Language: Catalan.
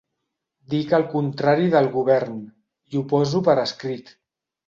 Dic el contrari del Govern, i ho poso per escrit.